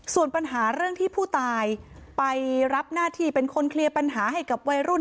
ส่วนปัญหาเรื่องที่ผู้ตายไปรับหน้าที่เป็นคนเคลียร์ปัญหาให้กับวัยรุ่น